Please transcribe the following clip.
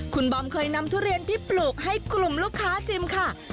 คุณบอมเคยนำทุเรียนที่ปลูกให้กลุ่มลูกค้าชิมค่ะ